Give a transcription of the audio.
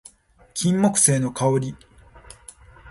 金木犀の香り